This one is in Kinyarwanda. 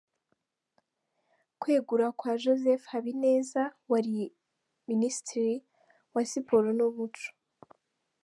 Kwegura kwa Joseph Habineza wari Munisitiri wa Siporo n’Umuco.